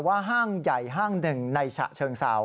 ห้างใหญ่ห้างหนึ่งในฉะเชิงเซา